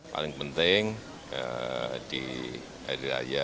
paling penting di hari raya